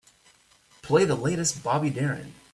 Play the latest Bobby Darin.